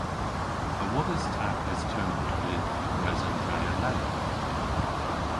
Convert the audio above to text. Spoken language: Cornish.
A wodhes ta pes termyn a vydh dhe gres an dre alemma?